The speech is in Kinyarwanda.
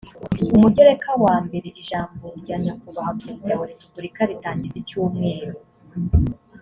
umugereka wa mbere ijambo rya nyakubahwa perezida wa repubulika ritangiza icyumweru